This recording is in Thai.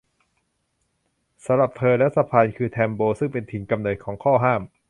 สำหรับเธอแล้วสะพานคือแทมโบซึ่งเป็นถิ่นกำเนิดของข้อห้าม